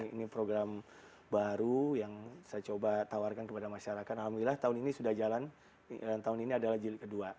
ini program baru yang saya coba tawarkan kepada masyarakat alhamdulillah tahun ini sudah jalan dan tahun ini adalah jilid kedua